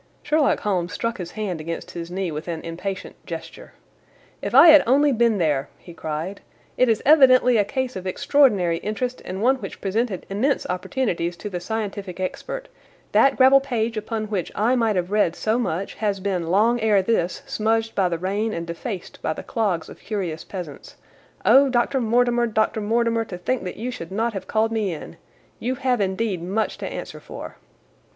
Sherlock Holmes struck his hand against his knee with an impatient gesture. "If I had only been there!" he cried. "It is evidently a case of extraordinary interest, and one which presented immense opportunities to the scientific expert. That gravel page upon which I might have read so much has been long ere this smudged by the rain and defaced by the clogs of curious peasants. Oh, Dr. Mortimer, Dr. Mortimer, to think that you should not have called me in! You have indeed much to answer for."